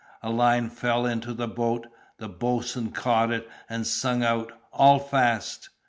A line fell into the boat. The boatswain caught it, and sung out, "All fast!"